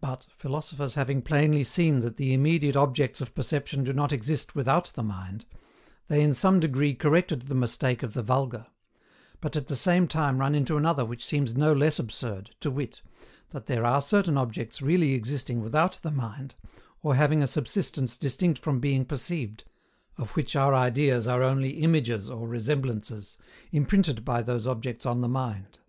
But, philosophers having plainly seen that the immediate objects of perception do not exist without the mind, THEY IN SOME DEGREE CORRECTED the mistake of the vulgar; but at the same time run into another which seems no less absurd, to wit, that there are certain objects really existing without the mind, or having a subsistence distinct from being perceived, OF WHICH OUR IDEAS ARE ONLY IMAGES or resemblances, imprinted by those objects on the mind.